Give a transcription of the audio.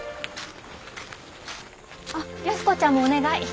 あっ安子ちゃんもお願い。